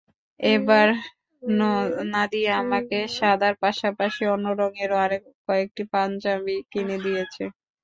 এবার নাদিয়া আমাকে সাদার পাশাপাশি অন্য রঙের আরও কয়েকটি পাঞ্জাবি কিনে দিয়েছে।